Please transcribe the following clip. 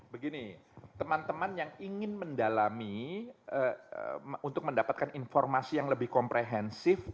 begini teman teman yang ingin mendalami untuk mendapatkan informasi yang lebih komprehensif